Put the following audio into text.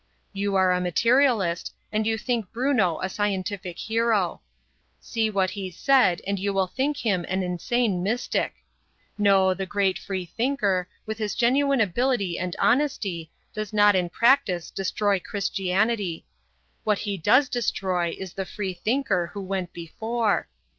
You are a materialist, and you think Bruno a scientific hero. See what he said and you will think him an insane mystic. No, the great Free thinker, with his genuine ability and honesty, does not in practice destroy Christianity. What he does destroy is the Free thinker who went before.